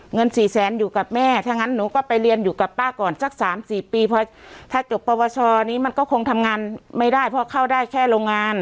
เงินสี่แสนอยู่กับแม่ถ้างั้นหนูก็ไปเรียนอยู่กับป้าก่อนสัก๓๔ปีเพราะถ้าจบปวชนี้มันก็คงทำงานไม่ได้เพราะเข้าได้แค่โรงงาน